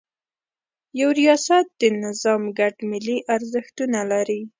یو ریاست د نظام ګډ ملي ارزښتونه لري.